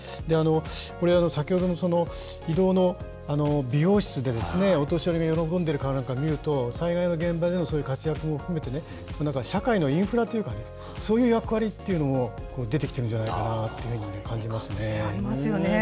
これ、先ほどの、移動の美容室でですね、お年寄りが喜んでる顔なんか見ると、災害の現場でもそういう活躍を含めて、なんか社会のインフラというか、そういう役割っていうのも出てきてるんじゃないかなというふうに感じますよね。